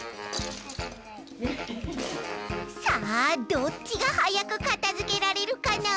さあどっちがはやくかたづけられるかな？